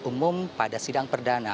umum pada sidang perdana